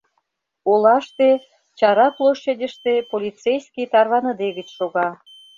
Олаште, чара площадьыште полицейский тарваныдегыч шога.